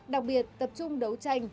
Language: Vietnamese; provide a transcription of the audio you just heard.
đặc biệt tập trung đấu tranh